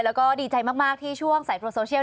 แล้วก็ดีใจมากที่ช่วงสายตรวจโซเชียล